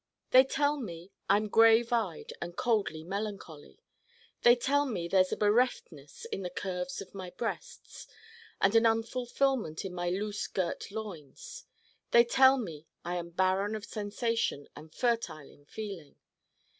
They tell me I'm grave eyed and coldly melancholy. They tell me there's a bereftness in the curves of my breasts and an unfulfillment in my loose girt loins. They tell me I am barren of sensation and fertile in feeling.